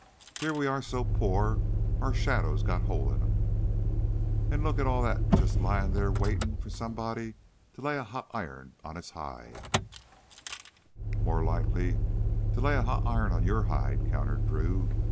"Heah we are so poor our shadows got holes in 'em, an' lookit all that jus' lyin' theah waitin' for somebody to lay a hot iron on its hide " "More likely to lay a hot iron on your hide!" countered Drew.